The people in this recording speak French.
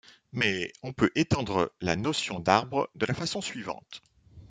Mais on peut étendre la notion d'arbre de la façon suivante.